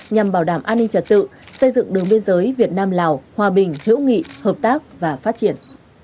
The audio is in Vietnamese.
nhằm bảo đảm an ninh trật tự xây dựng đường biên giới việt nam lào hòa bình hữu nghị hợp tác và phát triển